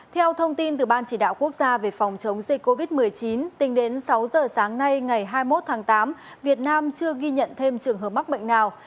theo thông tin từ ban chỉ đạo quốc gia về phòng chống dịch covid một mươi chín tính đến sáu giờ sáng nay ngày hai mươi một tháng tám việt nam chưa ghi nhận thêm trường hợp mắc bệnh nào